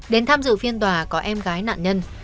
đến tham dự phiên tòa có em gái nạn nhân